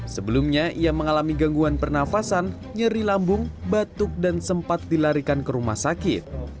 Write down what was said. sebelumnya ia mengalami gangguan pernafasan nyeri lambung batuk dan sempat dilarikan ke rumah sakit